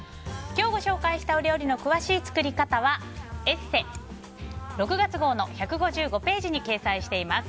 今日ご紹介した料理の詳しい作り方は「ＥＳＳＥ」６月号の１５５ページに掲載しています。